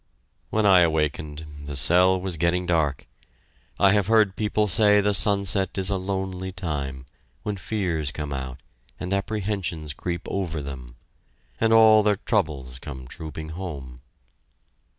When I awakened, the cell was getting dark. I have heard people say the sunset is a lonely time, when fears come out, and apprehensions creep over them... and all their troubles come trooping home.